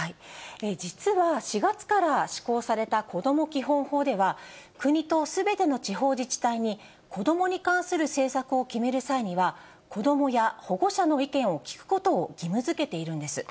実は４月から施行されたこども基本法では、国とすべての地方自治体に子どもに関する政策を決める際には、子どもや保護者の意見を聞くことを義務づけているんです。